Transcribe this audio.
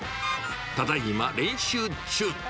ただいま練習中。